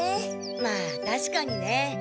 まあ確かにね。